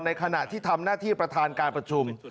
ขณะที่ทำหน้าที่ประธานการประชุม